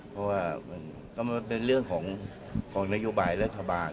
เพราะว่าเป็นเรื่องของนโยบายรัฐบาล